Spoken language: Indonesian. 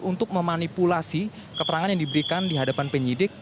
untuk memanipulasi keterangan yang diberikan di hadapan penyidik